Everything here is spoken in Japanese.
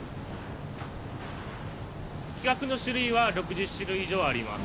規格の種類は６０種類以上あります。